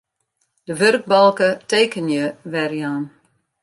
De wurkbalke Tekenje werjaan.